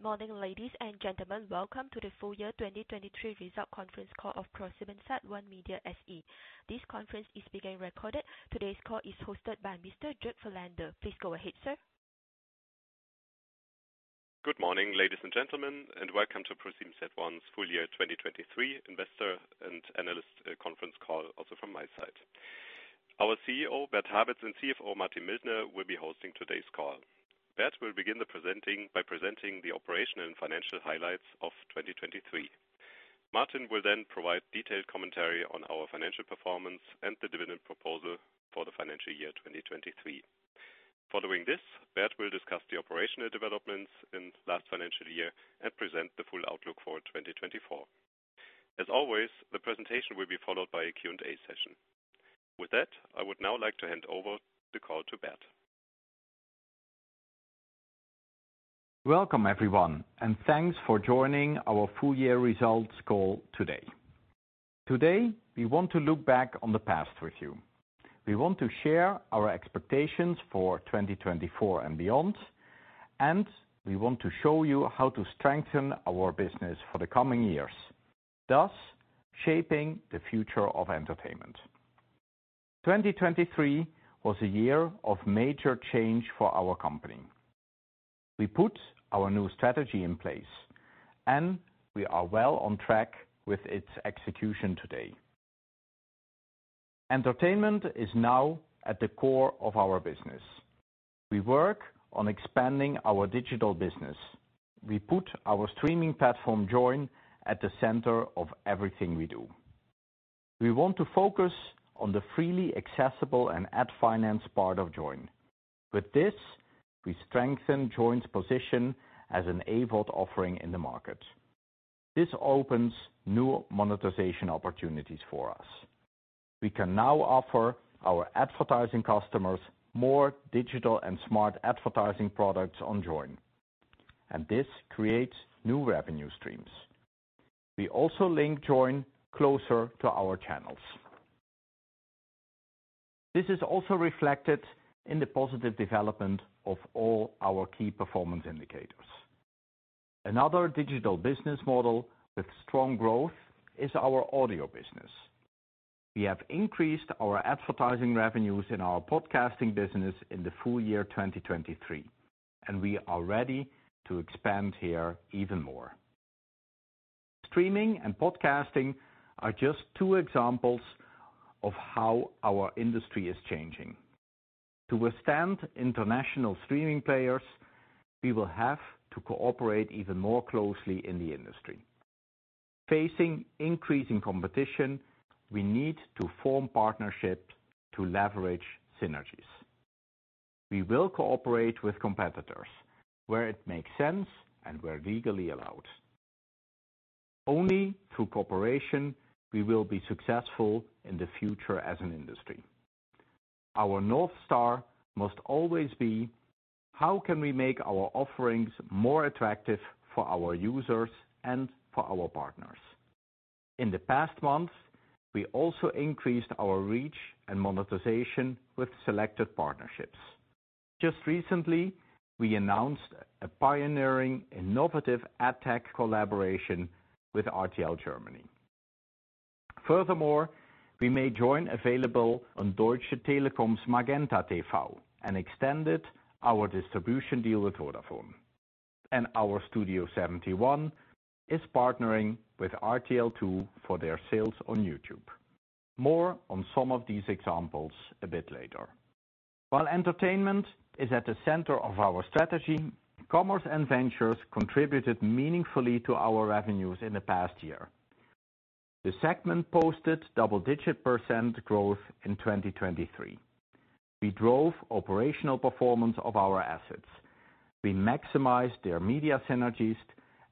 Good morning, ladies and gentlemen. Welcome to the full year 2023 result conference call of ProSiebenSat.1 Media SE. This conference is being recorded. Today's call is hosted by Mr. Dirk Voigtländer. Please go ahead, sir. Good morning, ladies and gentlemen, and welcome to ProSiebenSat.1's full year 2023 investor and analyst conference call. Also from my side. Our CEO, Bert Habets, and CFO, Martin Mildner, will be hosting today's call. Bert will begin the presenting by presenting the operational and financial highlights of 2023. Martin will then provide detailed commentary on our financial performance and the dividend proposal for the financial year 2023. Following this, Bert will discuss the operational developments in last financial year and present the full outlook for 2024. As always, the presentation will be followed by a Q&A session. With that, I would now like to hand over the call to Bert. Welcome, everyone, and thanks for joining our full year results call today. Today, we want to look back on the past with you. We want to share our expectations for 2024 and beyond, and we want to show you how to strengthen our business for the coming years, thus shaping the future of entertainment. 2023 was a year of major change for our company. We put our new strategy in place, and we are well on track with its execution today. Entertainment is now at the core of our business. We work on expanding our digital business. We put our streaming platform, Joyn, at the center of everything we do. We want to focus on the freely accessible and ad-financed part of Joyn. With this, we strengthen Joyn's position as an AVOD offering in the market. This opens new monetization opportunities for us. We can now offer our advertising customers more digital and smart advertising products on Joyn, and this creates new revenue streams. We also link Joyn closer to our channels. This is also reflected in the positive development of all our key performance indicators. Another digital business model with strong growth is our audio business. We have increased our advertising revenues in our podcasting business in the full year 2023, and we are ready to expand here even more. Streaming and podcasting are just two examples of how our industry is changing. To withstand international streaming players, we will have to cooperate even more closely in the industry. Facing increasing competition, we need to form partnerships to leverage synergies. We will cooperate with competitors where it makes sense and where legally allowed. Only through cooperation will we be successful in the future as an industry. Our North Star must always be: how can we make our offerings more attractive for our users and for our partners? In the past months, we also increased our reach and monetization with selected partnerships. Just recently, we announced a pioneering, innovative ad tech collaboration with RTL Germany. Furthermore, we made Joyn available on Deutsche Telekom's MagentaTV and extended our distribution deal with Vodafone. Our Studio71 is partnering with RTL II for their sales on YouTube. More on some of these examples a bit later. While entertainment is at the center of our strategy, commerce and ventures contributed meaningfully to our revenues in the past year. The segment posted double-digit % growth in 2023. We drove operational performance of our assets. We maximized their media synergies,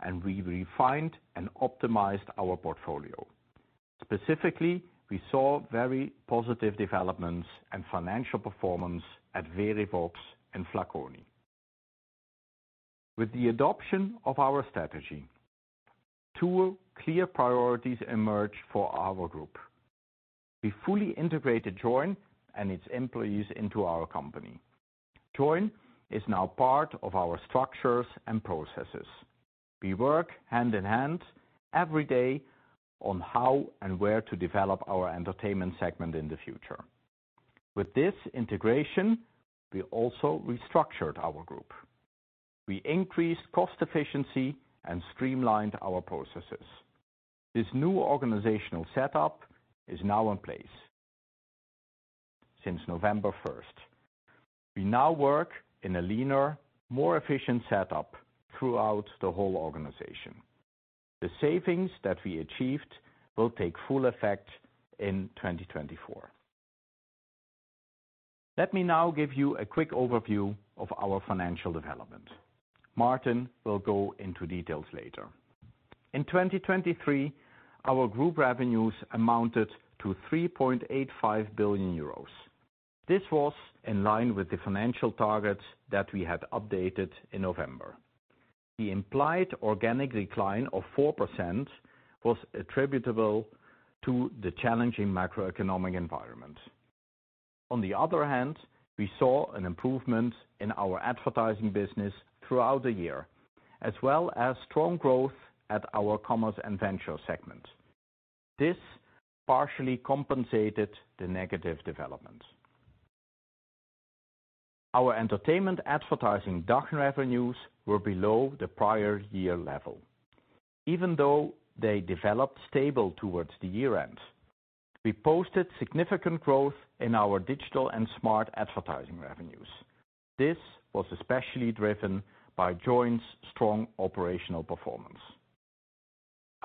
and we refined and optimized our portfolio. Specifically, we saw very positive developments in financial performance at Verivox and Flaconi. With the adoption of our strategy, two clear priorities emerged for our group. We fully integrated Joyn and its employees into our company. Joyn is now part of our structures and processes. We work hand in hand every day on how and where to develop our entertainment segment in the future. With this integration, we also restructured our group. We increased cost efficiency and streamlined our processes. This new organizational setup is now in place since November 1st. We now work in a leaner, more efficient setup throughout the whole organization. The savings that we achieved will take full effect in 2024. Let me now give you a quick overview of our financial development. Martin will go into details later. In 2023, our group revenues amounted to 3.85 billion euros. This was in line with the financial targets that we had updated in November. The implied organic decline of 4% was attributable to the challenging macroeconomic environment. On the other hand, we saw an improvement in our advertising business throughout the year, as well as strong growth at our commerce and venture segments. This partially compensated the negative developments. Our entertainment advertising DACH revenues were below the prior year level. Even though they developed stable towards the year-end, we posted significant growth in our digital and smart advertising revenues. This was especially driven by Joyn's strong operational performance.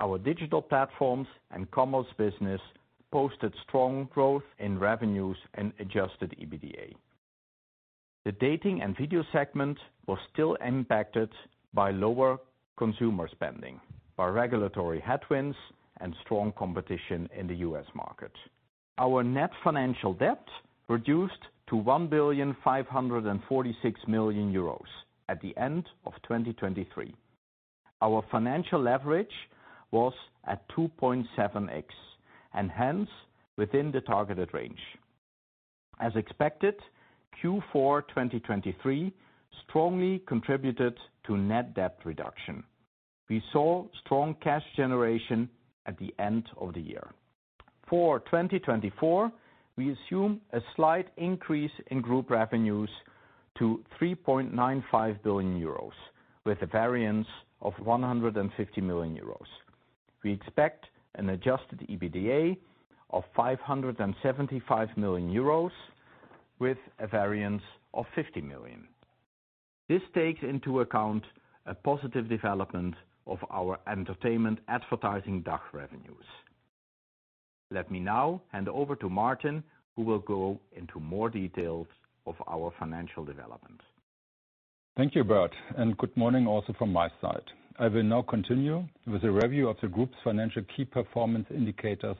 Our digital platforms and commerce business posted strong growth in revenues and Adjusted EBITDA. The dating and video segment was still impacted by lower consumer spending, by regulatory headwinds, and strong competition in the U.S. market. Our net financial debt reduced to 1.546 billion at the end of 2023. Our financial leverage was at 2.7x, and hence within the targeted range. As expected, Q4 2023 strongly contributed to net debt reduction. We saw strong cash generation at the end of the year. For 2024, we assume a slight increase in group revenues to 3.95 billion euros, with a variance of 150 million euros. We expect an adjusted EBITDA of 575 million euros, with a variance of 50 million. This takes into account a positive development of our entertainment advertising DACH revenues. Let me now hand over to Martin, who will go into more details of our financial development. Thank you, Bert, and good morning also from my side. I will now continue with a review of the group's financial key performance indicators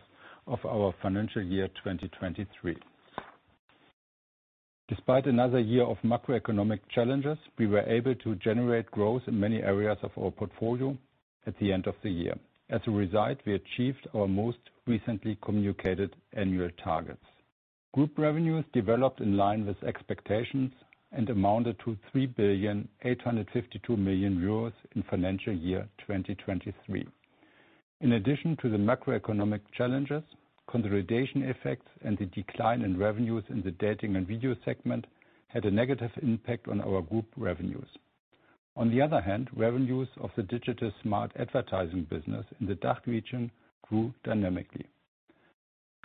of our financial year 2023. Despite another year of macroeconomic challenges, we were able to generate growth in many areas of our portfolio at the end of the year. As a result, we achieved our most recently communicated annual targets. Group revenues developed in line with expectations and amounted to 3.852 billion in financial year 2023. In addition to the macroeconomic challenges, consolidation effects and the decline in revenues in the dating and video segment had a negative impact on our group revenues. On the other hand, revenues of the digital smart advertising business in the DACH region grew dynamically.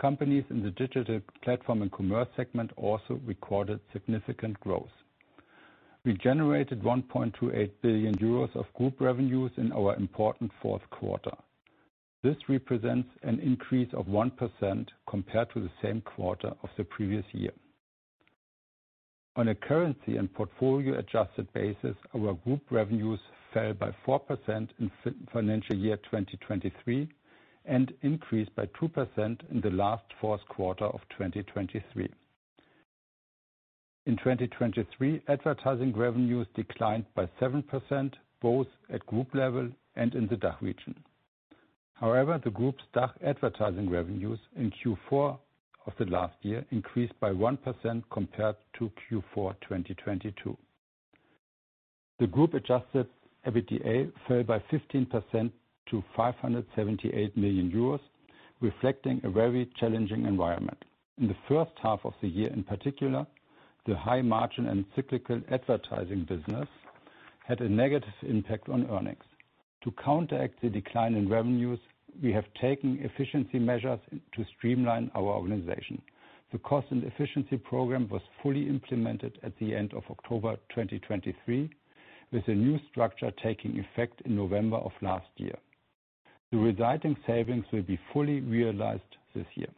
Companies in the digital platform and commerce segment also recorded significant growth. We generated 1.28 billion euros of group revenues in our important fourth quarter. This represents an increase of 1% compared to the same quarter of the previous year. On a currency and portfolio adjusted basis, our group revenues fell by 4% in financial year 2023 and increased by 2% in the fourth quarter of 2023. In 2023, advertising revenues declined by 7%, both at group level and in the DACH region. However, the group's DACH advertising revenues in Q4 of the last year increased by 1% compared to Q4 2022. The group adjusted EBITDA fell by 15% to 578 million euros, reflecting a very challenging environment. In the first half of the year in particular, the high margin and cyclical advertising business had a negative impact on earnings. To counteract the decline in revenues, we have taken efficiency measures to streamline our organization. The cost and efficiency program was fully implemented at the end of October 2023, with a new structure taking effect in November of last year. The resulting savings will be fully realized this year.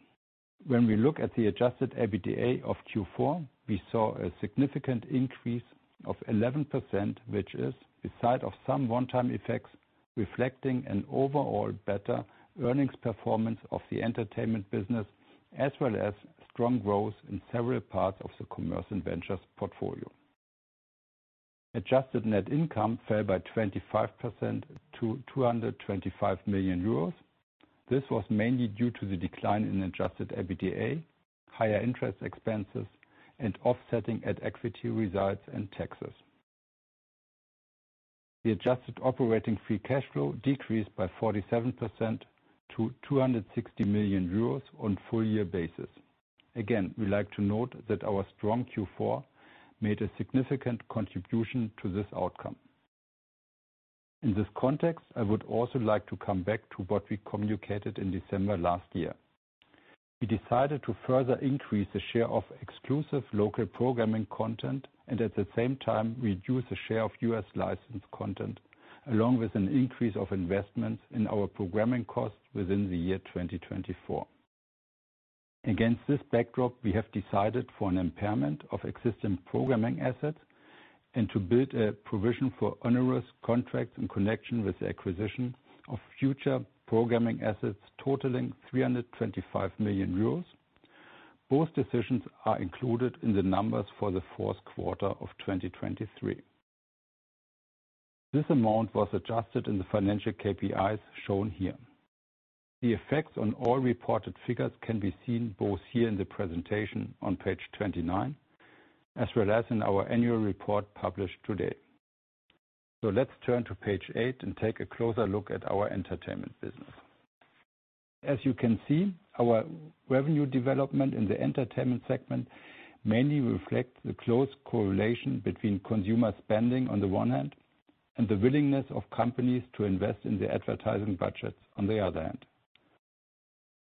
When we look at the Adjusted EBITDA of Q4, we saw a significant increase of 11%, which is, besides some one-time effects, reflecting an overall better earnings performance of the entertainment business, as well as strong growth in several parts of the commerce and ventures portfolio. Adjusted net income fell by 25% to 225 million euros. This was mainly due to the decline in Adjusted EBITDA, higher interest expenses, and offsetting at-equity results and taxes. The adjusted operating free cash flow decreased by 47% to 260 million euros on a full year basis. Again, we like to note that our strong Q4 made a significant contribution to this outcome. In this context, I would also like to come back to what we communicated in December last year. We decided to further increase the share of exclusive local programming content and, at the same time, reduce the share of US-licensed content, along with an increase of investments in our programming costs within the year 2024. Against this backdrop, we have decided for an impairment of existing programming assets and to build a provision for onerous contracts in connection with the acquisition of future programming assets totaling 325 million euros. Both decisions are included in the numbers for the fourth quarter of 2023. This amount was adjusted in the financial KPIs shown here. The effects on all reported figures can be seen both here in the presentation on page 29, as well as in our annual report published today. Let's turn to page 8 and take a closer look at our entertainment business. As you can see, our revenue development in the entertainment segment mainly reflects the close correlation between consumer spending on the one hand and the willingness of companies to invest in the advertising budgets on the other hand.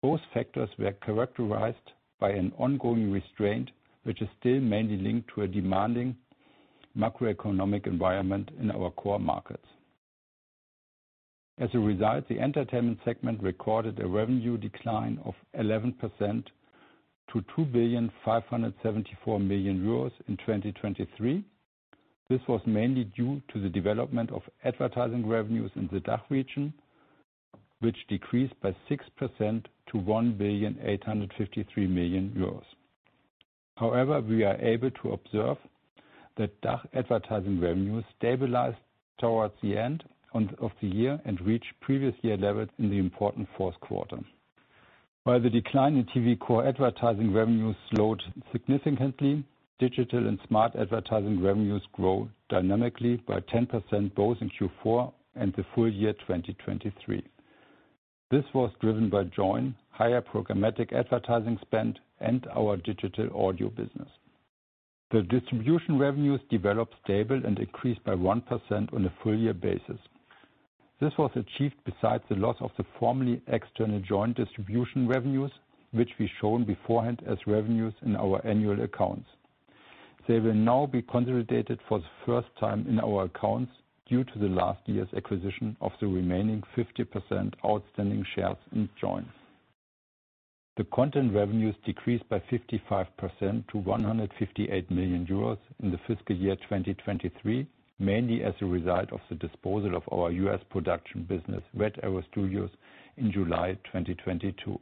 Both factors were characterized by an ongoing restraint, which is still mainly linked to a demanding macroeconomic environment in our core markets. As a result, the entertainment segment recorded a revenue decline of 11% to 2.574 billion in 2023. This was mainly due to the development of advertising revenues in the DACH region, which decreased by 6% to 1.853 billion euros. However, we are able to observe that DACH advertising revenues stabilized towards the end of the year and reached previous year levels in the important fourth quarter. While the decline in TV core advertising revenues slowed significantly, digital and smart advertising revenues grew dynamically by 10% both in Q4 and the full year 2023. This was driven by Joyn, higher programmatic advertising spend, and our digital audio business. The distribution revenues developed stable and increased by 1% on a full year basis. This was achieved besides the loss of the formerly external Joyn distribution revenues, which we showed beforehand as revenues in our annual accounts. They will now be consolidated for the first time in our accounts due to the last year's acquisition of the remaining 50% outstanding shares in Joyn. The content revenues decreased by 55% to 158 million euros in the fiscal year 2023, mainly as a result of the disposal of our U.S. production business, Red Arrow Studios, in July 2022.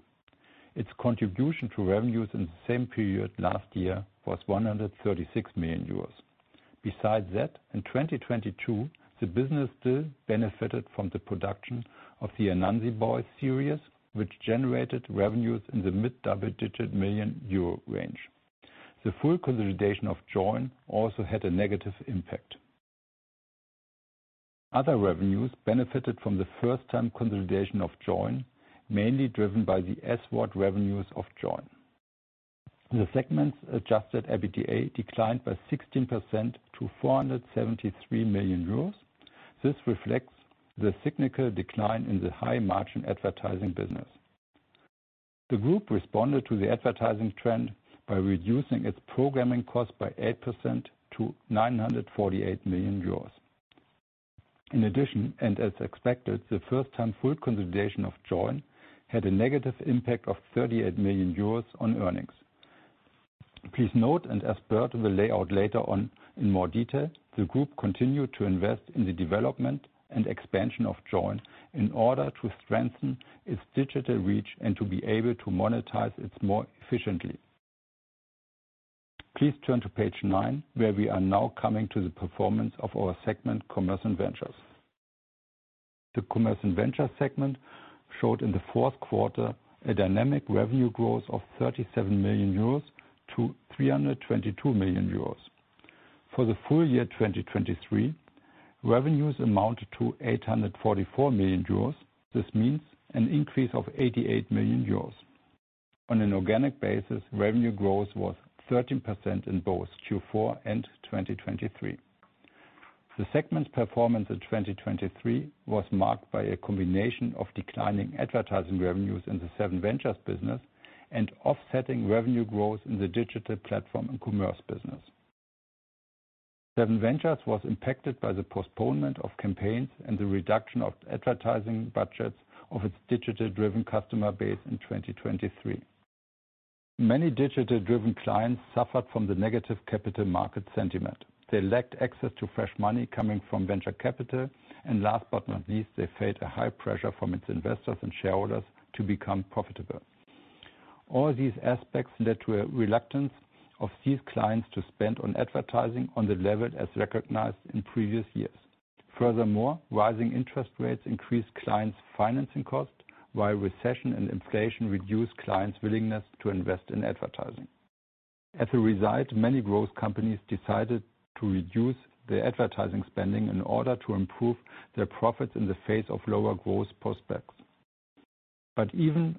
Its contribution to revenues in the same period last year was 136 million euros. Besides that, in 2022, the business still benefited from the production of the Anansi Boys series, which generated revenues in the mid-double-digit million EUR range. The full consolidation of Joyn also had a negative impact. Other revenues benefited from the first-time consolidation of Joyn, mainly driven by the SWOT revenues of Joyn. The segment's adjusted EBITDA declined by 16% to 473 million euros. This reflects the significant decline in the high-margin advertising business. The group responded to the advertising trend by reducing its programming costs by 8% to 948 million euros. In addition, and as expected, the first-time full consolidation of Joyn had a negative impact of 38 million euros on earnings. Please note, and as Bert will lay out later in more detail, the group continued to invest in the development and expansion of Joyn in order to strengthen its digital reach and to be able to monetize it more efficiently. Please turn to page 9, where we are now coming to the performance of our segment, Commerce and Ventures. The Commerce and Ventures segment showed in the fourth quarter a dynamic revenue growth of 37 million euros to 322 million euros. For the full year 2023, revenues amounted to 844 million euros. This means an increase of 88 million euros. On an organic basis, revenue growth was 13% in both Q4 and 2023. The segment's performance in 2023 was marked by a combination of declining advertising revenues in the SevenVentures business and offsetting revenue growth in the digital platform and commerce business. SevenVentures was impacted by the postponement of campaigns and the reduction of advertising budgets of its digital-driven customer base in 2023. Many digital-driven clients suffered from the negative capital market sentiment. They lacked access to fresh money coming from venture capital, and last but not least, they faced a high pressure from its investors and shareholders to become profitable. All these aspects led to a reluctance of these clients to spend on advertising on the level as recognized in previous years. Furthermore, rising interest rates increased clients' financing costs, while recession and inflation reduced clients' willingness to invest in advertising. As a result, many growth companies decided to reduce their advertising spending in order to improve their profits in the face of lower growth prospects. But even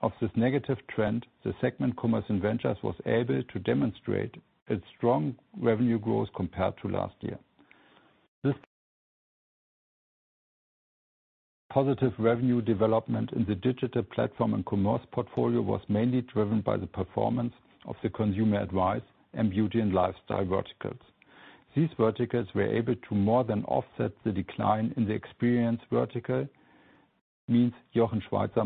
of this negative trend, the segment Commerce & Ventures was able to demonstrate its strong revenue growth compared to last year. This positive revenue development in the digital platform and commerce portfolio was mainly driven by the performance of the consumer advice and beauty and lifestyle verticals. These verticals were able to more than offset the decline in the experience vertical, means Jochen Schweizer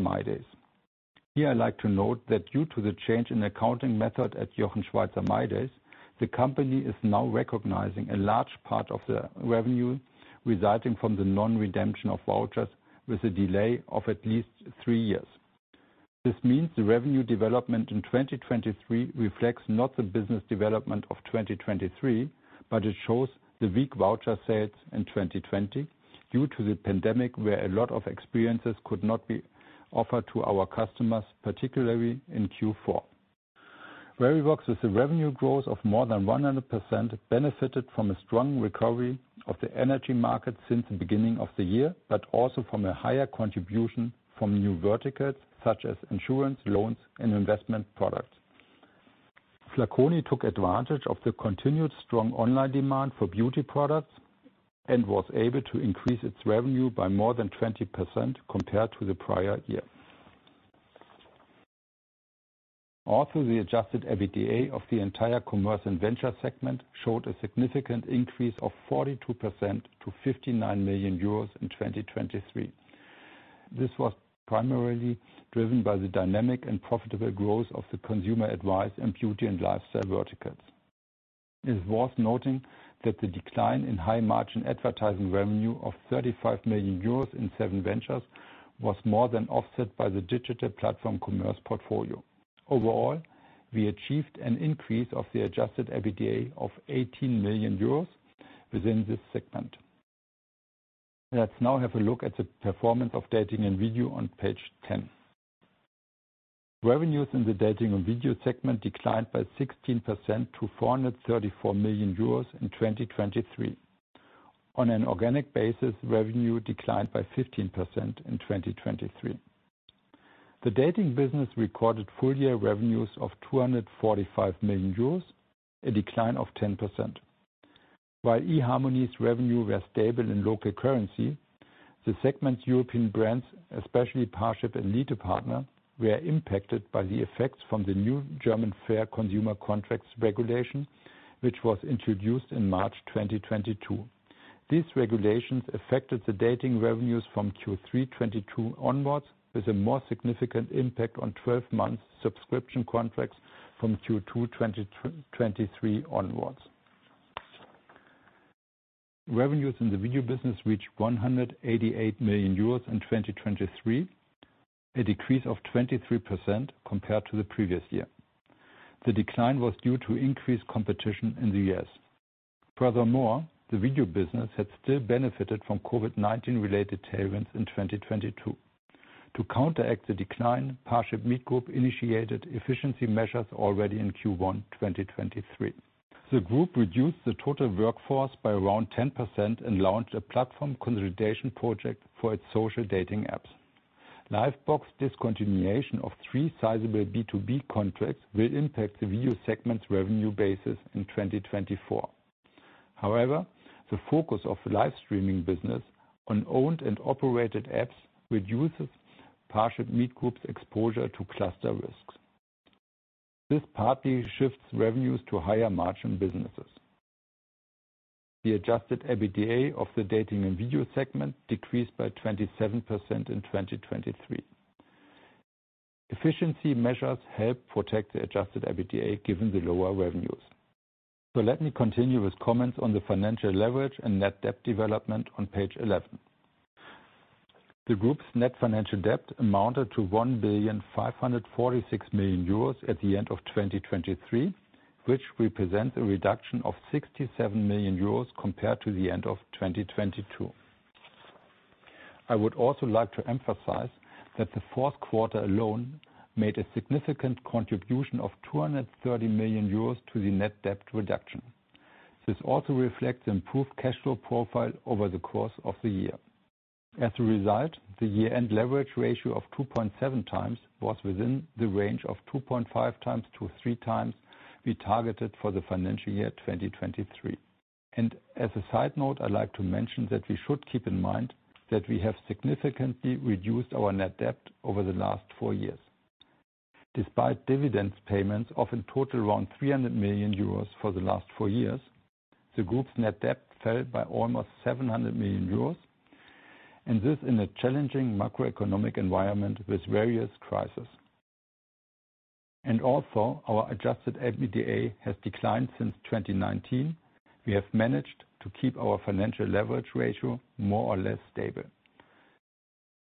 mydays. Here, I like to note that due to the change in accounting method at Jochen Schweizer mydays, the company is now recognizing a large part of the revenue resulting from the non-redemption of vouchers with a delay of at least three years. This means the revenue development in 2023 reflects not the business development of 2023, but it shows the weak voucher sales in 2020 due to the pandemic, where a lot of experiences could not be offered to our customers, particularly in Q4. Verivox, with a revenue growth of more than 100%, benefited from a strong recovery of the energy market since the beginning of the year, but also from a higher contribution from new verticals such as insurance, loans, and investment products. Flaconi took advantage of the continued strong online demand for beauty products and was able to increase its revenue by more than 20% compared to the prior year. Also, the Adjusted EBITDA of the entire commerce and ventures segment showed a significant increase of 42% to 59 million euros in 2023. This was primarily driven by the dynamic and profitable growth of the consumer advice and beauty and lifestyle verticals. It is worth noting that the decline in high-margin advertising revenue of 35 million euros in SevenVentures was more than offset by the digital platform commerce portfolio. Overall, we achieved an increase of the adjusted EBITDA of 18 million euros within this segment. Let's now have a look at the performance of dating and video on page 10. Revenues in the dating and video segment declined by 16% to 434 million euros in 2023. On an organic basis, revenue declined by 15% in 2023. The dating business recorded full-year revenues of 245 million euros, a decline of 10%. While eharmony's revenue were stable in local currency, the segment's European brands, especially Parship and ElitePartner, were impacted by the effects from the new German Fair Consumer Contracts regulation, which was introduced in March 2022. These regulations affected the dating revenues from Q3 2022 onward, with a more significant impact on 12-month subscription contracts from Q2 2023 onward. Revenues in the video business reached 188 million euros in 2023, a decrease of 23% compared to the previous year. The decline was due to increased competition in the U.S. Furthermore, the video business had still benefited from COVID-19-related tailwinds in 2022. To counteract the decline, ParshipMeet Group initiated efficiency measures already in Q1 2023. The group reduced the total workforce by around 10% and launched a platform consolidation project for its social dating apps. Livebox's discontinuation of three sizable B2B contracts will impact the video segment's revenue basis in 2024. However, the focus of the live-streaming business on owned and operated apps reduces ParshipMeet Group's exposure to cluster risks. This partly shifts revenues to higher-margin businesses. The Adjusted EBITDA of the dating and video segment decreased by 27% in 2023. Efficiency measures help protect the Adjusted EBITDA given the lower revenues. Let me continue with comments on the financial leverage and net debt development on page 11. The group's net financial debt amounted to 1.546 billion at the end of 2023, which represents a reduction of 67 million euros compared to the end of 2022. I would also like to emphasize that the fourth quarter alone made a significant contribution of 230 million euros to the net debt reduction. This also reflects the improved cash flow profile over the course of the year. As a result, the year-end leverage ratio of 2.7 times was within the range of 2.5-3 times we targeted for the financial year 2023. As a side note, I like to mention that we should keep in mind that we have significantly reduced our net debt over the last four years. Despite dividend payments of a total around 300 million euros for the last four years, the group's net debt fell by almost 700 million euros. And this in a challenging macroeconomic environment with various crises. Also, our Adjusted EBITDA has declined since 2019. We have managed to keep our financial leverage ratio more or less stable.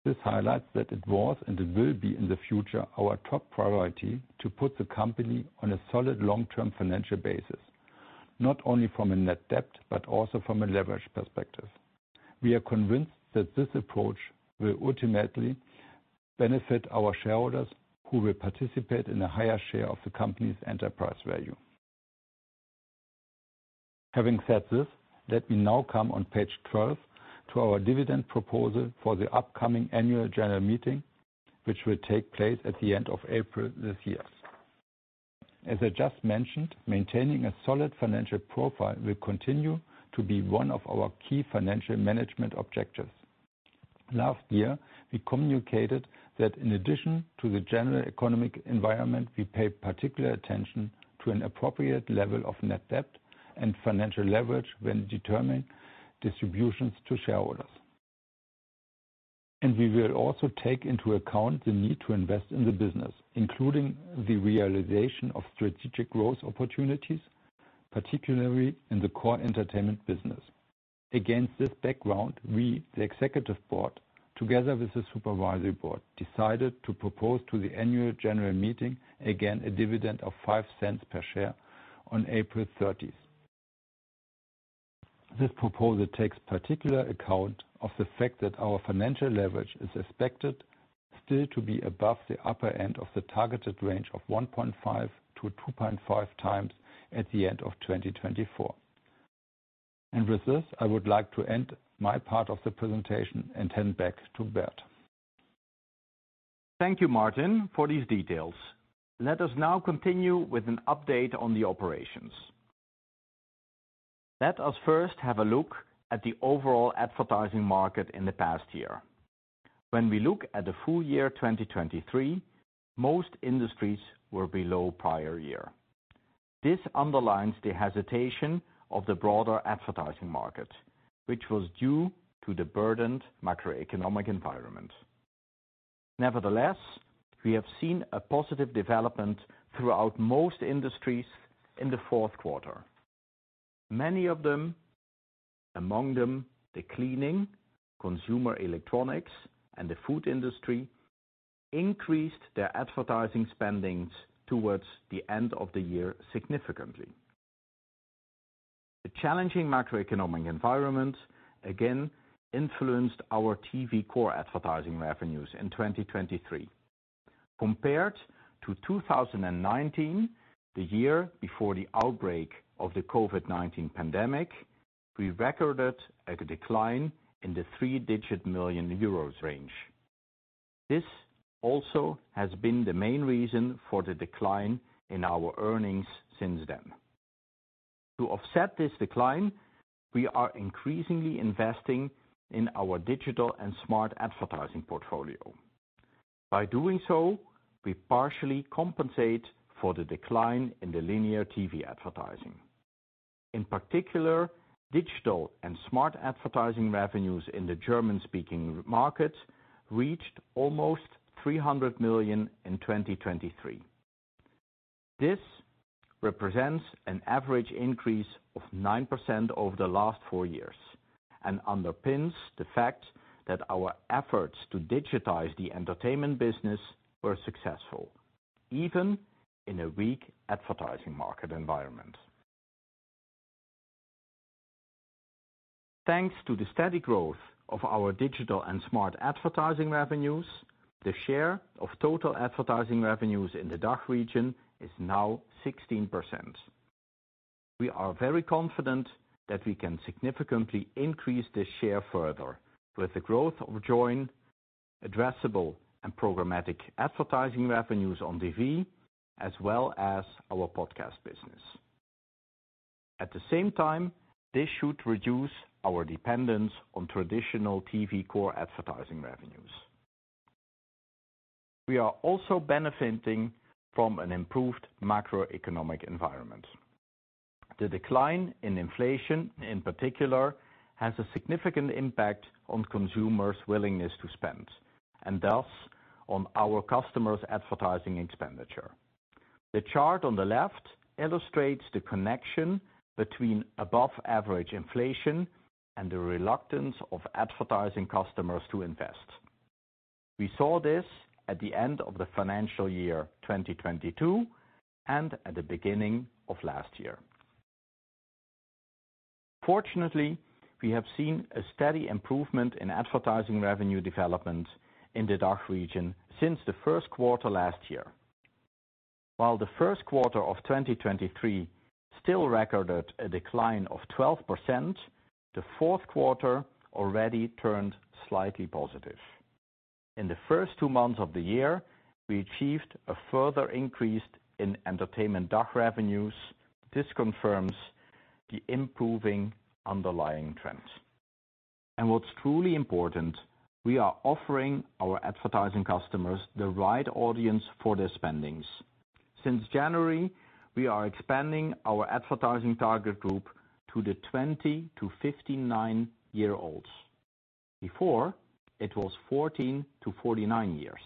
This highlights that it was and it will be in the future our top priority to put the company on a solid long-term financial basis, not only from a net debt but also from a leverage perspective. We are convinced that this approach will ultimately benefit our shareholders, who will participate in a higher share of the company's enterprise value. Having said this, let me now come to page 12 to our dividend proposal for the upcoming annual general meeting, which will take place at the end of April this year. As I just mentioned, maintaining a solid financial profile will continue to be one of our key financial management objectives. Last year, we communicated that in addition to the general economic environment, we paid particular attention to an appropriate level of net debt and financial leverage when determining distributions to shareholders. We will also take into account the need to invest in the business, including the realization of strategic growth opportunities, particularly in the core entertainment business. Against this background, we, the executive board, together with the supervisory board, decided to propose to the annual general meeting again a dividend of 0.05 per share on April 30. This proposal takes particular account of the fact that our financial leverage is expected still to be above the upper end of the targeted range of 1.5-2.5 times at the end of 2024. With this, I would like to end my part of the presentation and turn back to Bert. Thank you, Martin, for these details. Let us now continue with an update on the operations. Let us first have a look at the overall advertising market in the past year. When we look at the full year 2023, most industries were below prior year. This underlines the hesitation of the broader advertising market, which was due to the burdened macroeconomic environment. Nevertheless, we have seen a positive development throughout most industries in the fourth quarter. Many of them, among them the cleaning, consumer electronics, and the food industry, increased their advertising spendings towards the end of the year significantly. The challenging macroeconomic environment again influenced our TV core advertising revenues in 2023. Compared to 2019, the year before the outbreak of the COVID-19 pandemic, we recorded a decline in the three-digit million EUR range. This also has been the main reason for the decline in our earnings since then. To offset this decline, we are increasingly investing in our digital and smart advertising portfolio. By doing so, we partially compensate for the decline in the linear TV advertising. In particular, digital and smart advertising revenues in the German-speaking market reached almost 300 million in 2023. This represents an average increase of 9% over the last four years and underpins the fact that our efforts to digitize the entertainment business were successful, even in a weak advertising market environment. Thanks to the steady growth of our digital and smart advertising revenues, the share of total advertising revenues in the DACH region is now 16%. We are very confident that we can significantly increase this share further with the growth of Joyn, addressable, and programmatic advertising revenues on TV, as well as our podcast business. At the same time, this should reduce our dependence on traditional TV core advertising revenues. We are also benefiting from an improved macroeconomic environment. The decline in inflation, in particular, has a significant impact on consumers' willingness to spend and thus on our customers' advertising expenditure. The chart on the left illustrates the connection between above-average inflation and the reluctance of advertising customers to invest. We saw this at the end of the financial year 2022 and at the beginning of last year. Fortunately, we have seen a steady improvement in advertising revenue development in the DACH region since the first quarter last year. While the first quarter of 2023 still recorded a decline of 12%, the fourth quarter already turned slightly positive. In the first two months of the year, we achieved a further increase in entertainment DACH revenues. This confirms the improving underlying trend. And what's truly important, we are offering our advertising customers the right audience for their spendings. Since January, we are expanding our advertising target group to the 20-59-year-olds. Before, it was 14-49 years.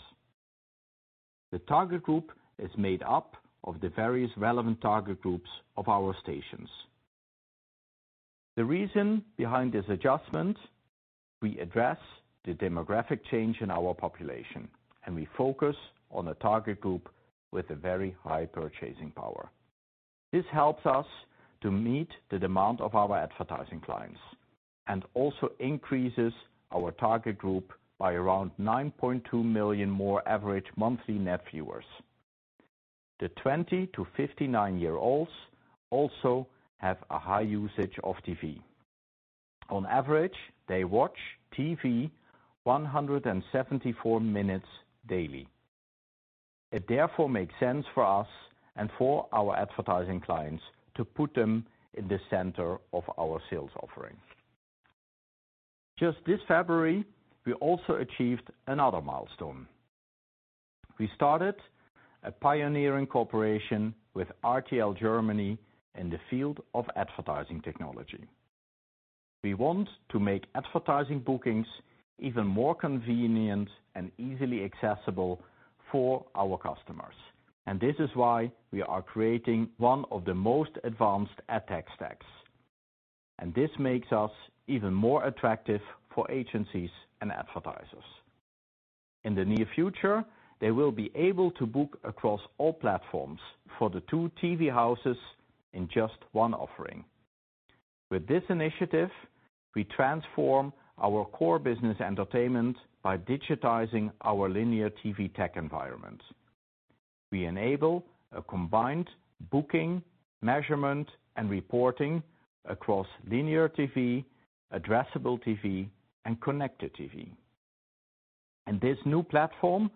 The target group is made up of the various relevant target groups of our stations. The reason behind this adjustment: we address the demographic change in our population, and we focus on a target group with a very high purchasing power. This helps us to meet the demand of our advertising clients and also increases our target group by around 9.2 million more average monthly net viewers. The 20-59-year-olds also have a high usage of TV. On average, they watch TV 174 minutes daily. It therefore makes sense for us and for our advertising clients to put them in the center of our sales offering. Just this February, we also achieved another milestone. We started a pioneering cooperation with RTL Germany in the field of advertising technology. We want to make advertising bookings even more convenient and easily accessible for our customers. And this is why we are creating one of the most advanced ad tech stacks. And this makes us even more attractive for agencies and advertisers. In the near future, they will be able to book across all platforms for the two TV houses in just one offering. With this initiative, we transform our core business entertainment by digitizing our linear TV tech environment. We enable a combined booking, measurement, and reporting across linear TV, addressable TV, and connected TV. In this new platform,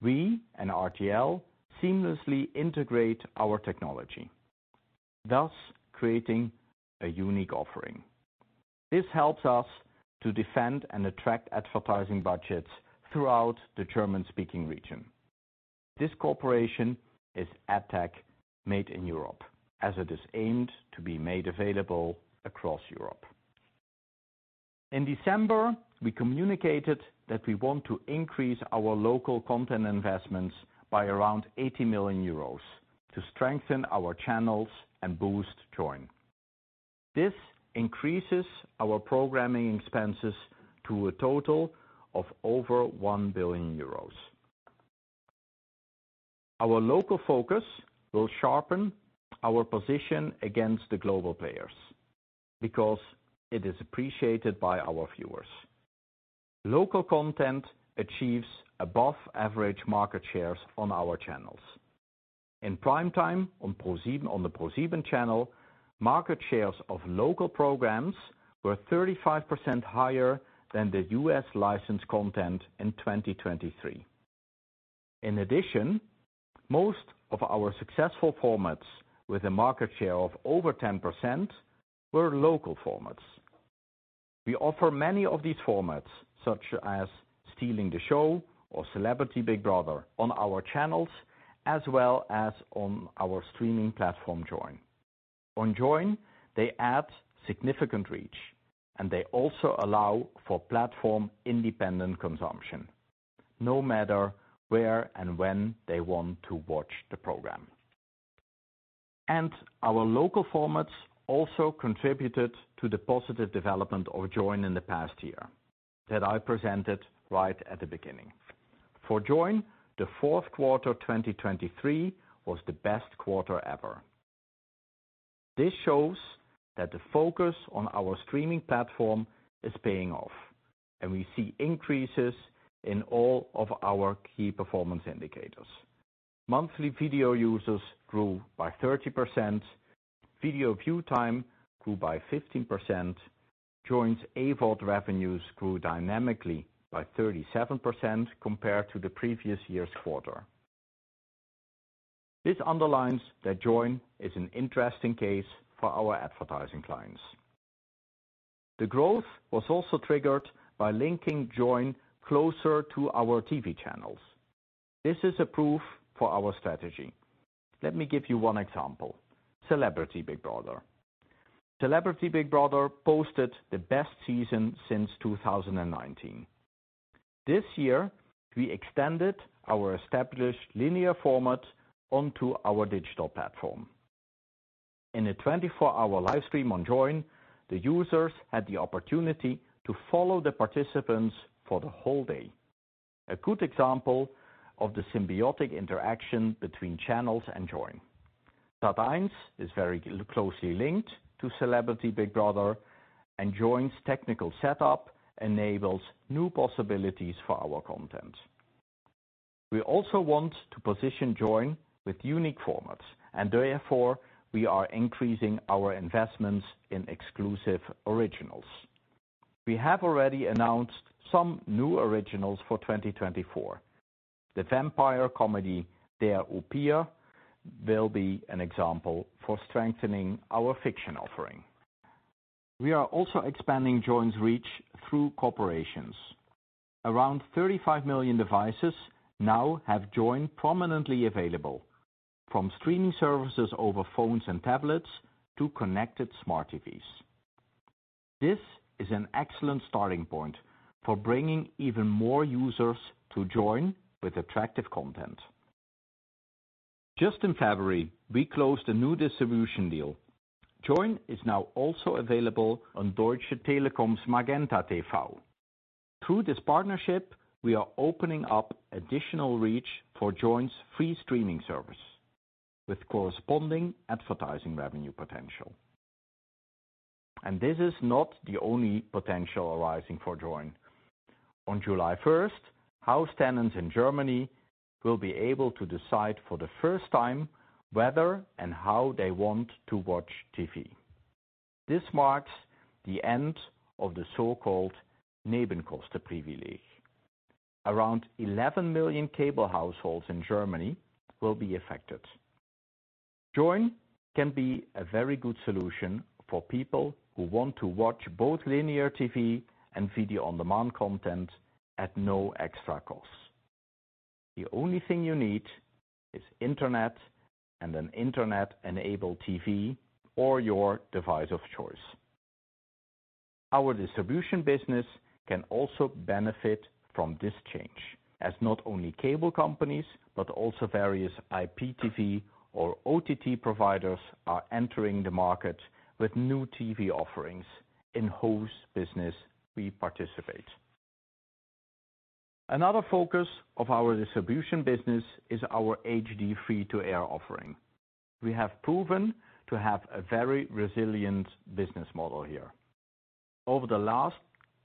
we and RTL seamlessly integrate our technology, thus creating a unique offering. This helps us to defend and attract advertising budgets throughout the German-speaking region. This cooperation is ad tech made in Europe, as it is aimed to be made available across Europe. In December, we communicated that we want to increase our local content investments by around 80 million euros to strengthen our channels and boost Joyn. This increases our programming expenses to a total of over 1 billion euros. Our local focus will sharpen our position against the global players because it is appreciated by our viewers. Local content achieves above-average market shares on our channels. In prime time on the ProSieben channel, market shares of local programs were 35% higher than the U.S.-licensed content in 2023. In addition, most of our successful formats with a market share of over 10% were local formats. We offer many of these formats, such as Stealing the Show or Celebrity Big Brother, on our channels as well as on our streaming platform Joyn. On Joyn, they add significant reach, and they also allow for platform-independent consumption, no matter where and when they want to watch the program. Our local formats also contributed to the positive development of Joyn in the past year that I presented right at the beginning. For Joyn, the fourth quarter 2023 was the best quarter ever. This shows that the focus on our streaming platform is paying off, and we see increases in all of our key performance indicators. Monthly video users grew by 30%, video view time grew by 15%, Joyn's AVOD revenues grew dynamically by 37% compared to the previous year's quarter. This underlines that Joyn is an interesting case for our advertising clients. The growth was also triggered by linking Joyn closer to our TV channels. This is a proof for our strategy. Let me give you one example: Celebrity Big Brother. Celebrity Big Brother posted the best season since 2019. This year, we extended our established linear format onto our digital platform. In a 24-hour live stream on Joyn, the users had the opportunity to follow the participants for the whole day. A good example of the symbiotic interaction between channels and Joyn. Sat.1 is very closely linked to Celebrity Big Brother, and Joyn's technical setup enables new possibilities for our content. We also want to position Joyn with unique formats, and therefore we are increasing our investments in exclusive originals. We have already announced some new originals for 2024. The vampire comedy Der Upir will be an example for strengthening our fiction offering. We are also expanding Joyn's reach through cooperations. Around 35 million devices now have Joyn prominently available, from streaming services over phones and tablets to connected smart TVs. This is an excellent starting point for bringing even more users to Joyn with attractive content. Just in February, we closed a new distribution deal. Joyn is now also available on Deutsche Telekom's MagentaTV. Through this partnership, we are opening up additional reach for Joyn's free streaming service with corresponding advertising revenue potential. And this is not the only potential arising for Joyn. On July 1, house tenants in Germany will be able to decide for the first time whether and how they want to watch TV. This marks the end of the so-called Nebenkostenprivileg. Around 11 million cable households in Germany will be affected. Joyn can be a very good solution for people who want to watch both linear TV and video on demand content at no extra cost. The only thing you need is internet and an internet-enabled TV or your device of choice. Our distribution business can also benefit from this change, as not only cable companies but also various IPTV or OTT providers are entering the market with new TV offerings in whose business we participate. Another focus of our distribution business is our HD free-to-air offering. We have proven to have a very resilient business model here. Over the last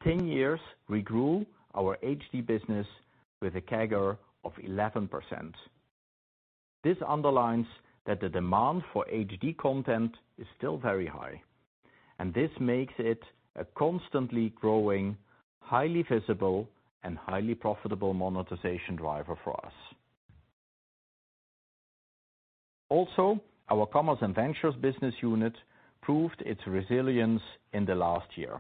10 years, we grew our HD business with a CAGR of 11%. This underlines that the demand for HD content is still very high, and this makes it a constantly growing, highly visible, and highly profitable monetization driver for us. Also, our commerce and ventures business unit proved its resilience in the last year.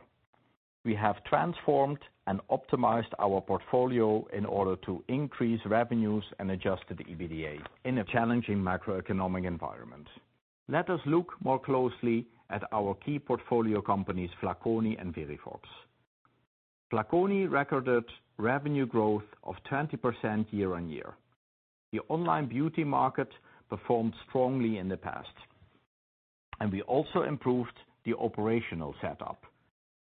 We have transformed and optimized our portfolio in order to increase revenues and adjust to the EBITDA in a challenging macroeconomic environment. Let us look more closely at our key portfolio companies Flaconi and Verivox. Flaconi recorded revenue growth of 20% year on year. The online beauty market performed strongly in the past. We also improved the operational setup.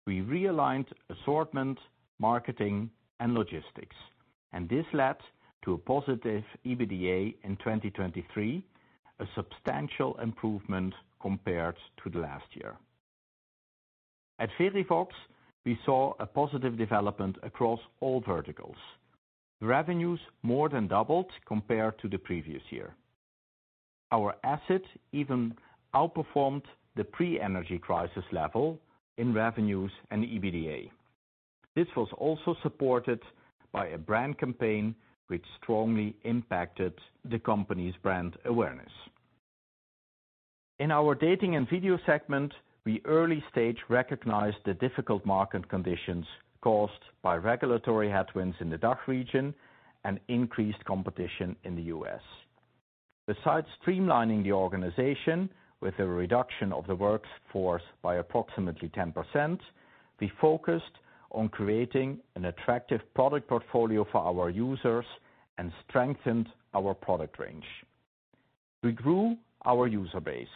We realigned assortment, marketing, and logistics, and this led to a positive EBITDA in 2023, a substantial improvement compared to the last year. At Verivox, we saw a positive development across all verticals. Revenues more than doubled compared to the previous year. Our asset even outperformed the pre-energy crisis level in revenues and EBITDA. This was also supported by a brand campaign which strongly impacted the company's brand awareness. In our dating and video segment, we early-stage recognized the difficult market conditions caused by regulatory headwinds in the DACH region and increased competition in the U.S. Besides streamlining the organization with a reduction of the workforce by approximately 10%, we focused on creating an attractive product portfolio for our users and strengthened our product range. We grew our user base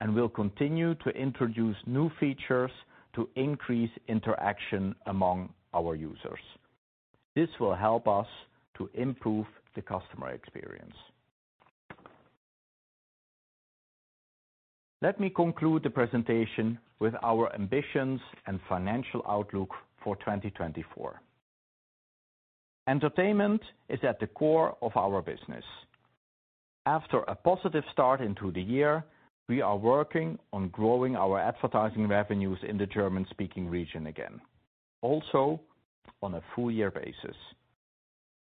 and will continue to introduce new features to increase interaction among our users. This will help us to improve the customer experience. Let me conclude the presentation with our ambitions and financial outlook for 2024. Entertainment is at the core of our business. After a positive start into the year, we are working on growing our advertising revenues in the German-speaking region again, also on a full-year basis.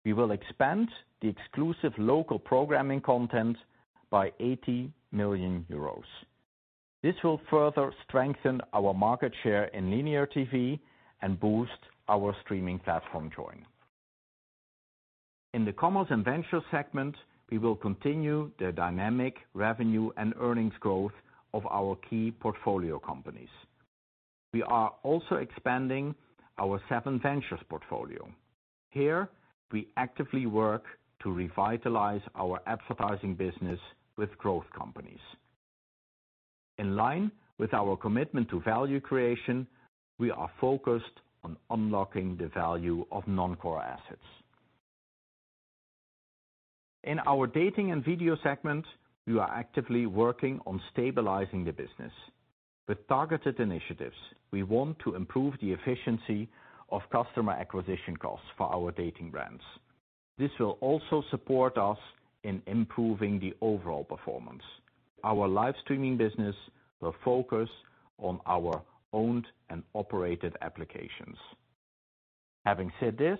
We will expand the exclusive local programming content by 80 million euros. This will further strengthen our market share in linear TV and boost our streaming platform Joyn. In the commerce and ventures segment, we will continue the dynamic revenue and earnings growth of our key portfolio companies. We are also expanding our SevenVentures portfolio. Here, we actively work to revitalize our advertising business with growth companies. In line with our commitment to value creation, we are focused on unlocking the value of non-core assets. In our dating and video segment, we are actively working on stabilizing the business. With targeted initiatives, we want to improve the efficiency of customer acquisition costs for our dating brands. This will also support us in improving the overall performance. Our live streaming business will focus on our owned and operated applications. Having said this,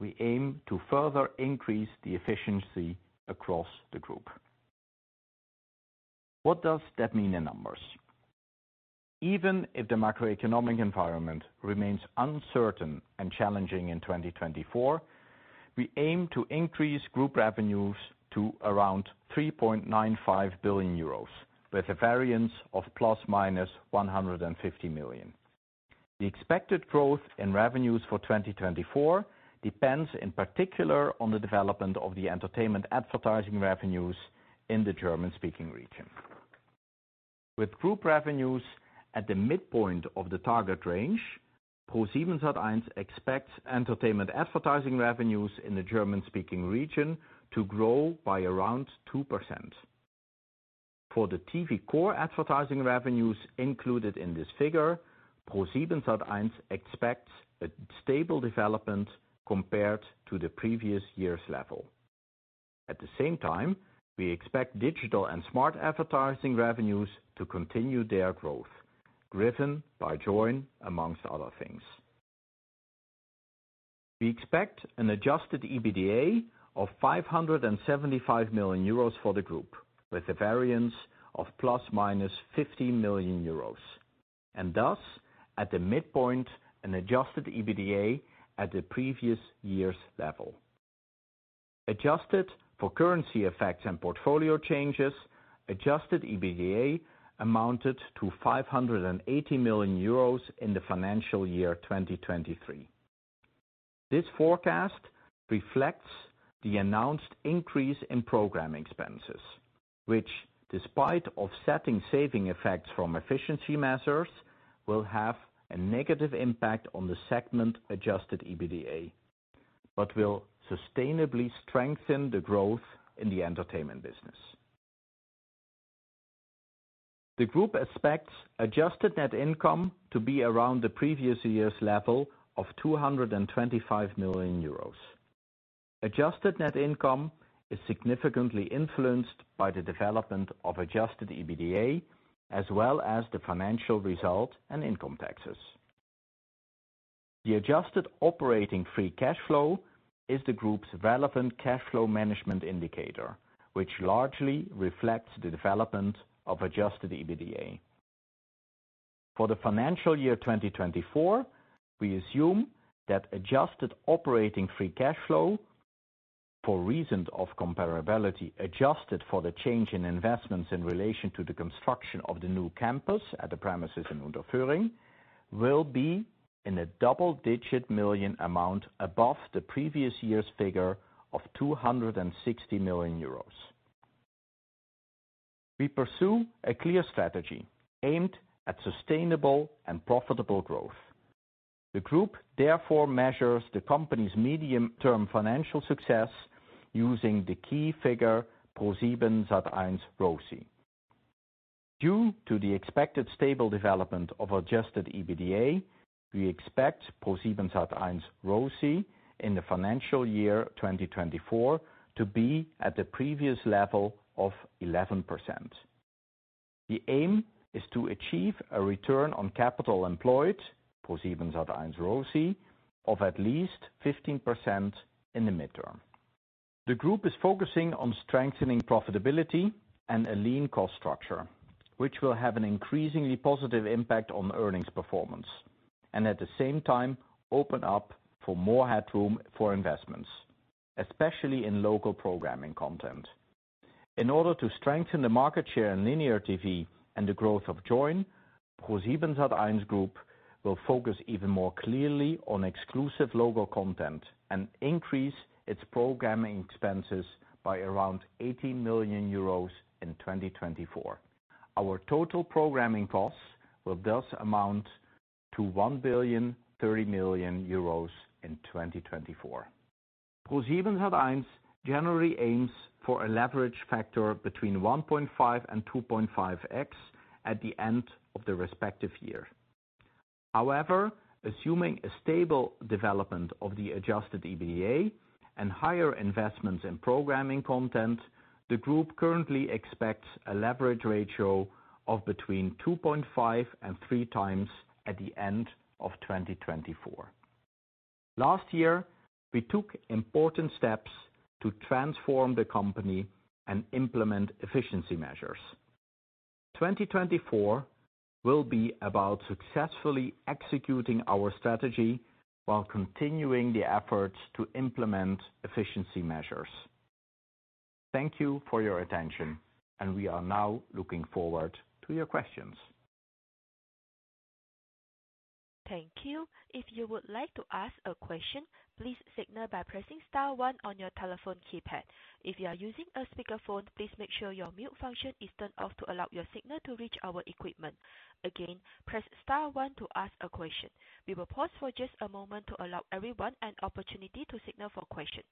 we aim to further increase the efficiency across the group. What does that mean in numbers? Even if the macroeconomic environment remains uncertain and challenging in 2024, we aim to increase group revenues to around 3.95 billion euros, with a variance of ±150 million. The expected growth in revenues for 2024 depends in particular on the development of the entertainment advertising revenues in the German-speaking region. With group revenues at the midpoint of the target range, ProSiebenSat.1 expects entertainment advertising revenues in the German-speaking region to grow by around 2%. For the TV core advertising revenues included in this figure, ProSiebenSat.1 expects a stable development compared to the previous year's level. At the same time, we expect digital and smart advertising revenues to continue their growth, driven by Joyn, among other things. We expect an Adjusted EBITDA of 575 million euros for the group, with a variance of ±15 million euros. Thus, at the midpoint, an Adjusted EBITDA at the previous year's level. Adjusted for currency effects and portfolio changes, Adjusted EBITDA amounted to 580 million euros in the financial year 2023. This forecast reflects the announced increase in programming expenses, which, despite offsetting saving effects from efficiency measures, will have a negative impact on the segment adjusted EBITDA, but will sustainably strengthen the growth in the entertainment business. The group expects adjusted net income to be around the previous year's level of 225 million euros. Adjusted net income is significantly influenced by the development of Adjusted EBITDA, as well as the financial result and income taxes. The adjusted operating free cash flow is the group's relevant cash flow management indicator, which largely reflects the development of Adjusted EBITDA. For the financial year 2024, we assume that adjusted operating free cash flow, for reason of comparability adjusted for the change in investments in relation to the construction of the new campus at the premises in Unterföhring, will be in a double-digit million amount above the previous year's figure of 260 million euros. We pursue a clear strategy aimed at sustainable and profitable growth. The group therefore measures the company's medium-term financial success using the key figure ProSiebenSat.1 ROCE. Due to the expected stable development of Adjusted EBITDA, we expect ProSiebenSat.1 ROCE in the financial year 2024 to be at the previous level of 11%. The aim is to achieve a return on capital employed, ProSiebenSat.1 ROCE, of at least 15% in the midterm. The group is focusing on strengthening profitability and a lean cost structure, which will have an increasingly positive impact on earnings performance, and at the same time open up for more headroom for investments, especially in local programming content. In order to strengthen the market share in linear TV and the growth of Joyn, ProSiebenSat.1 Group will focus even more clearly on exclusive local content and increase its programming expenses by around 18 million euros in 2024. Our total programming costs will thus amount to 1.03 billion in 2024. ProSiebenSat.1 generally aims for a leverage factor between 1.5x and 2.5x at the end of the respective year. However, assuming a stable development of the Adjusted EBITDA and higher investments in programming content, the group currently expects a leverage ratio of between 2.5x and 3x at the end of 2024. Last year, we took important steps to transform the company and implement efficiency measures. 2024 will be about successfully executing our strategy while continuing the efforts to implement efficiency measures. Thank you for your attention, and we are now looking forward to your questions. Thank you. If you would like to ask a question, please signal by pressing star one on your telephone keypad. If you are using a speakerphone, please make sure your mute function is turned off to allow your signal to reach our equipment. Again, press star one to ask a question. We will pause for just a moment to allow everyone an opportunity to signal for a question.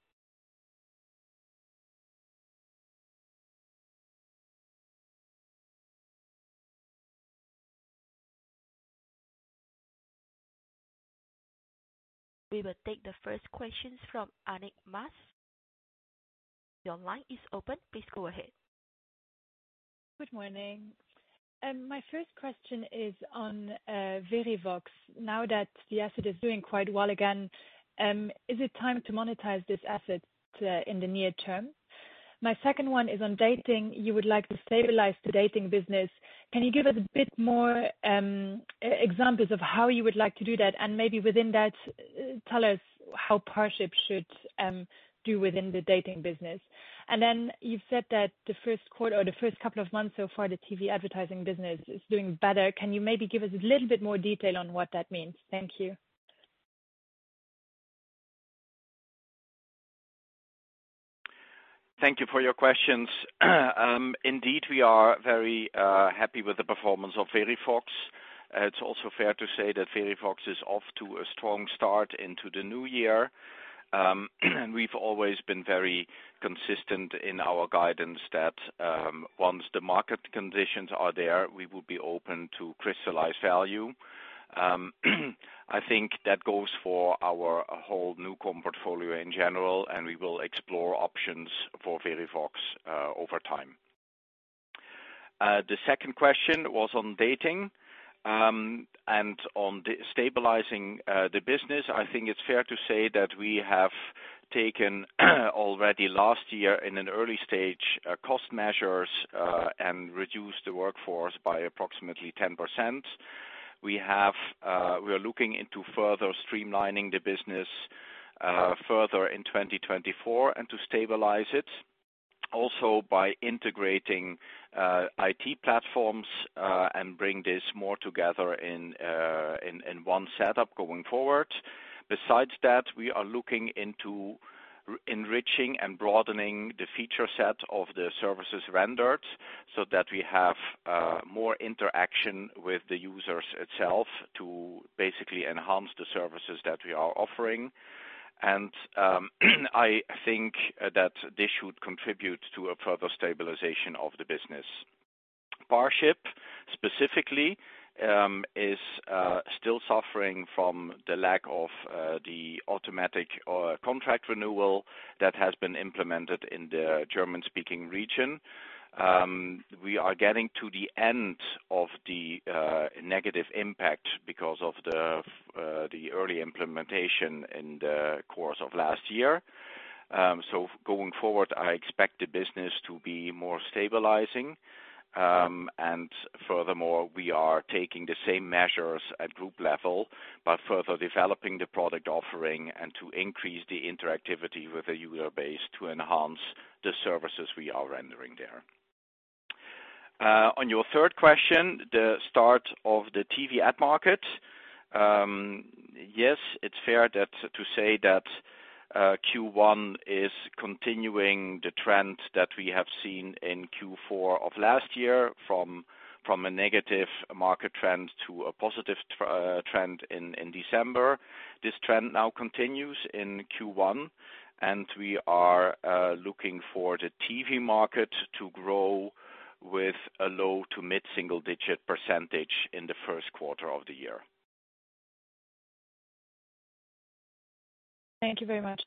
We will take the first questions from Annick Maas. Your line is open. Please go ahead. Good morning. My first question is on Verivox. Now that the asset is doing quite well again, is it time to monetize this asset in the near term? My second one is on dating. You would like to stabilize the dating business. Can you give us a bit more examples of how you would like to do that? And maybe within that, tell us how Parship should do within the dating business. And then you've said that the first quarter or the first couple of months so far, the TV advertising business is doing better. Can you maybe give us a little bit more detail on what that means? Thank you. Thank you for your questions. Indeed, we are very happy with the performance of Verivox. It's also fair to say that Verivox is off to a strong start into the new year. We've always been very consistent in our guidance that once the market conditions are there, we will be open to crystallize value. I think that goes for our whole non-core portfolio in general, and we will explore options for Verivox over time. The second question was on dating. On stabilizing the business, I think it's fair to say that we have taken already last year in an early stage cost measures and reduced the workforce by approximately 10%. We are looking into further streamlining the business further in 2024 and to stabilize it, also by integrating IT platforms and bring this more together in one setup going forward. Besides that, we are looking into enriching and broadening the feature set of the services rendered so that we have more interaction with the users itself to basically enhance the services that we are offering. And I think that this should contribute to a further stabilization of the business. Parship, specifically, is still suffering from the lack of the automatic contract renewal that has been implemented in the German-speaking region. We are getting to the end of the negative impact because of the early implementation in the course of last year. So going forward, I expect the business to be more stabilizing. And furthermore, we are taking the same measures at group level, but further developing the product offering and to increase the interactivity with the user base to enhance the services we are rendering there. On your third question, the start of the TV ad market, yes, it's fair to say that Q1 is continuing the trend that we have seen in Q4 of last year, from a negative market trend to a positive trend in December. This trend now continues in Q1, and we are looking for the TV market to grow with a low- to mid-single-digit % in the first quarter of the year. Thank you very much.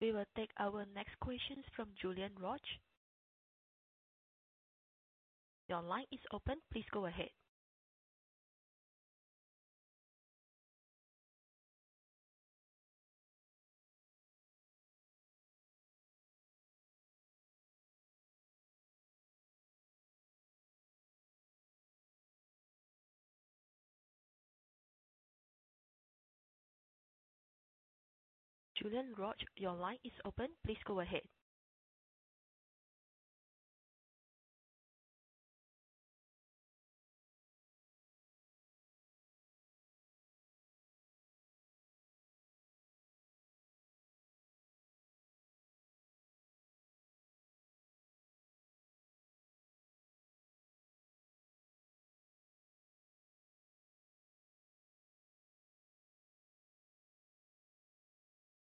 We will take our next questions from Julien Roch. Your line is open. Please go ahead. Julien Roch, your line is open. Please go ahead.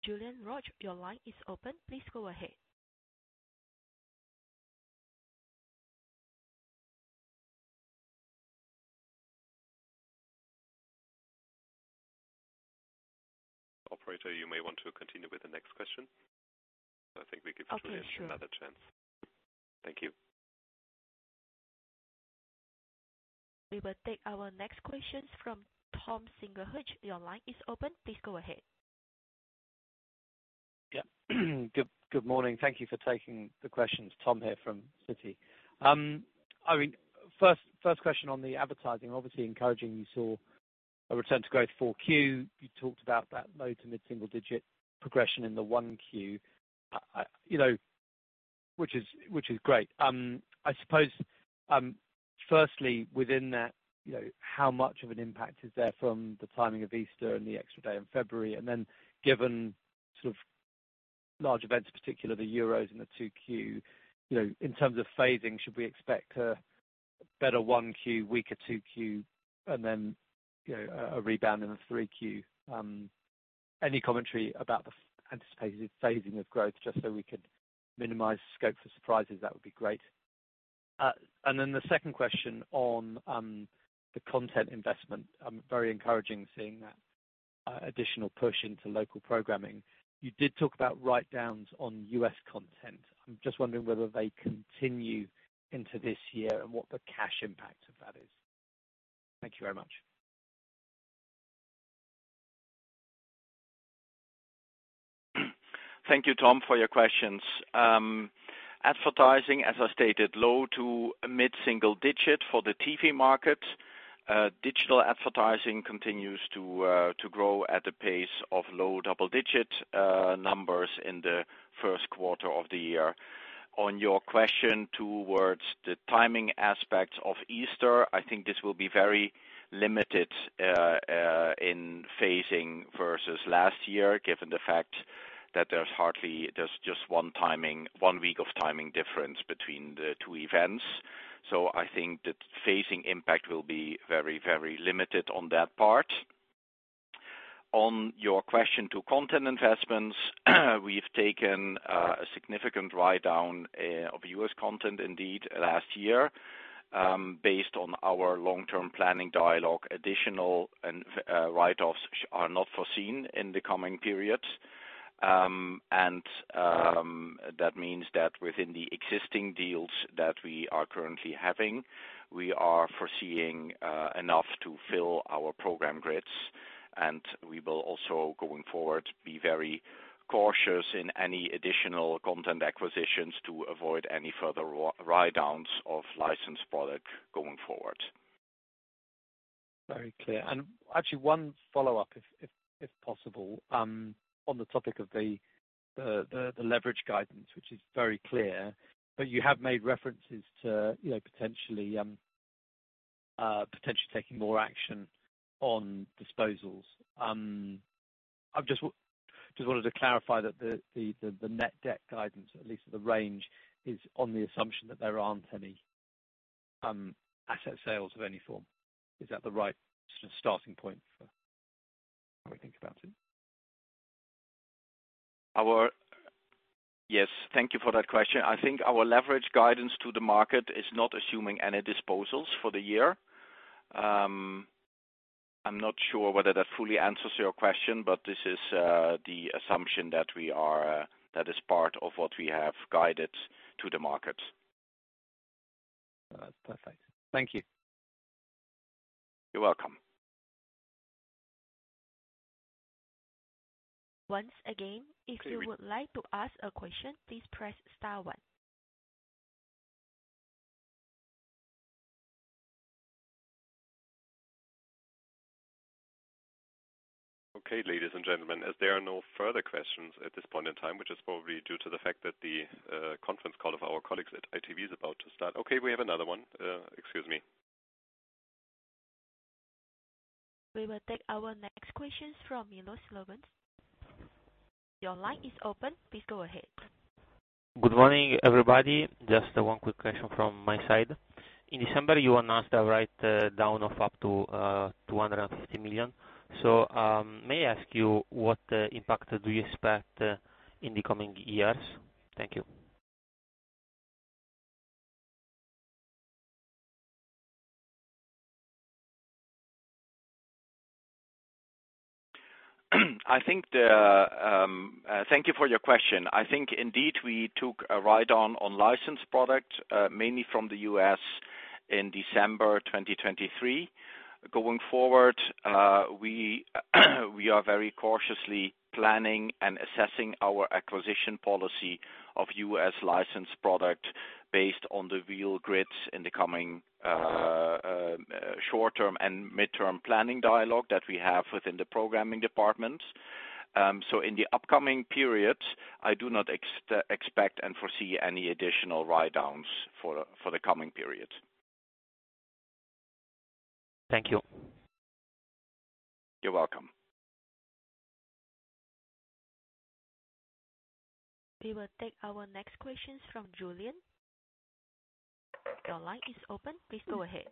Julien Roch, your line is open. Please go ahead. Operator, you may want to continue with the next question. I think we give Julien another chance. Thank you. We will take our next questions from Tom Singlehurst. Your line is open. Please go ahead. Yeah. Good morning. Thank you for taking the questions. Tom here from Citi. I mean, first question on the advertising. Obviously, encouraging you saw a return to growth 4Q. You talked about that low- to mid-single-digit progression in the 1Q, which is great. I suppose, firstly, within that, how much of an impact is there from the timing of Easter and the extra day in February? And then given sort of large events, particularly the euros in the 2Q, in terms of phasing, should we expect a better 1Q, weaker 2Q, and then a rebound in the 3Q? Any commentary about the anticipated phasing of growth just so we could minimize scope for surprises? That would be great. And then the second question on the content investment, I'm very encouraging seeing that additional push into local programming. You did talk about write-downs on U.S. content. I'm just wondering whether they continue into this year and what the cash impact of that is. Thank you very much. Thank you, Tom, for your questions. Advertising, as I stated, low- to mid-single-digit for the TV market. Digital advertising continues to grow at the pace of low double-digit numbers in the first quarter of the year. On your question towards the timing aspects of Easter, I think this will be very limited in phasing versus last year, given the fact that there's just 1 week of timing difference between the two events. So I think the phasing impact will be very, very limited on that part. On your question to content investments, we've taken a significant write-down of U.S. content, indeed, last year based on our long-term planning dialogue. Additional write-offs are not foreseen in the coming period. That means that within the existing deals that we are currently having, we are foreseeing enough to fill our program grids. We will also, going forward, be very cautious in any additional content acquisitions to avoid any further write-downs of licensed product going forward. Very clear. And actually, one follow-up, if possible, on the topic of the leverage guidance, which is very clear, but you have made references to potentially taking more action on disposals. I just wanted to clarify that the net debt guidance, at least the range, is on the assumption that there aren't any asset sales of any form. Is that the right sort of starting point for how we think about it? Yes. Thank you for that question. I think our leverage guidance to the market is not assuming any disposals for the year. I'm not sure whether that fully answers your question, but this is the assumption that is part of what we have guided to the market. That's perfect. Thank you. You're welcome. Once again, if you would like to ask a question, please press star one. Okay, ladies and gentlemen, as there are no further questions at this point in time, which is probably due to the fact that the conference call of our colleagues at ITV is about to start, okay, we have another one. Excuse me. We will take our next questions from Miloš Vlaović. Your line is open. Please go ahead. Good morning, everybody. Just one quick question from my side. In December, you announced a write-down of up to 250 million. So may I ask you, what impact do you expect in the coming years? Thank you. Thank you for your question. I think, indeed, we took a write-down on licensed product, mainly from the U.S., in December 2023. Going forward, we are very cautiously planning and assessing our acquisition policy of U.S. licensed product based on the real grids in the coming short-term and mid-term planning dialogue that we have within the programming departments. So in the upcoming period, I do not expect and foresee any additional write-downs for the coming period. Thank you. You're welcome. We will take our next questions from Julien. Your line is open. Please go ahead.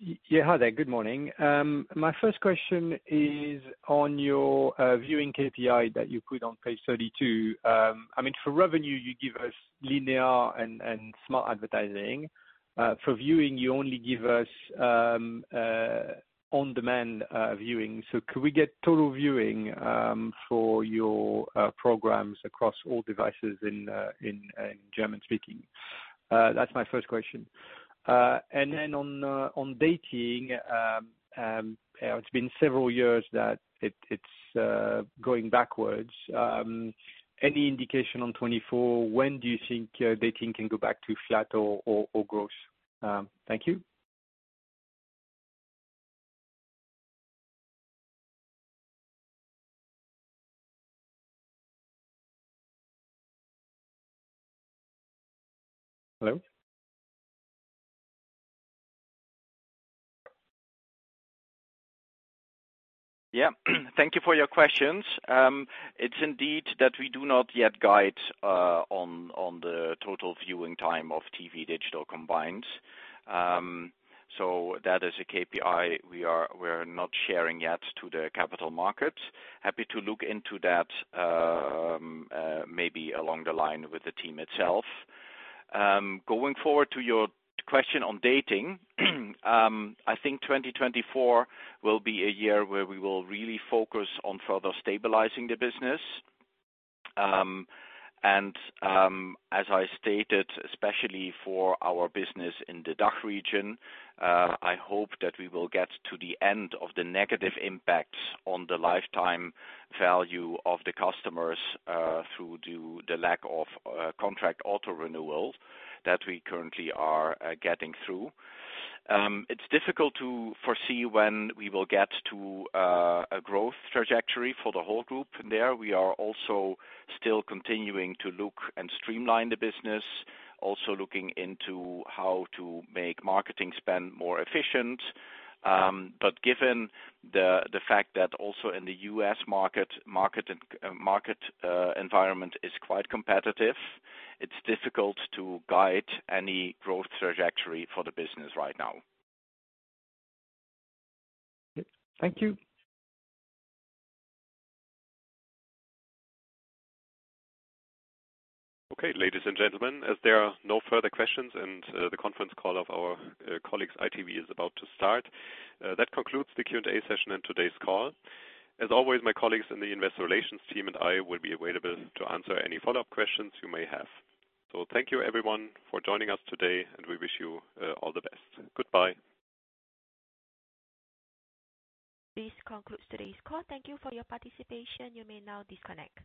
Yeah, hi there. Good morning. My first question is on your viewing KPI that you put on page 32. I mean, for revenue, you give us linear and smart advertising. For viewing, you only give us on-demand viewing. So could we get total viewing for your programs across all devices in German-speaking? That's my first question. And then on dating, it's been several years that it's going backwards. Any indication on 2024? When do you think dating can go back to flat or growth? Thank you. Hello? Yeah. Thank you for your questions. It's indeed that we do not yet guide on the total viewing time of TV digital combined. So that is a KPI we are not sharing yet to the capital markets. Happy to look into that maybe along the line with the team itself. Going forward to your question on dating, I think 2024 will be a year where we will really focus on further stabilizing the business. And as I stated, especially for our business in the DACH region, I hope that we will get to the end of the negative impacts on the lifetime value of the customers through the lack of contract auto-renewal that we currently are getting through. It's difficult to foresee when we will get to a growth trajectory for the whole group there. We are also still continuing to look and streamline the business, also looking into how to make marketing spend more efficient. But given the fact that also in the US market environment is quite competitive, it's difficult to guide any growth trajectory for the business right now. Okay. Thank you. Okay, ladies and gentlemen, as there are no further questions and the conference call of our colleagues at ITV is about to start, that concludes the Q&A session and today's call. As always, my colleagues in the investor relations team and I will be available to answer any follow-up questions you may have. So thank you, everyone, for joining us today, and we wish you all the best. Goodbye. This concludes today's call. Thank you for your participation. You may now disconnect.